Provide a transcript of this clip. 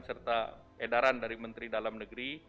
serta edaran dari menteri dalam negeri